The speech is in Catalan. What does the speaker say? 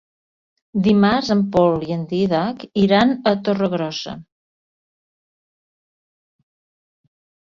Dimarts en Pol i en Dídac iran a Torregrossa.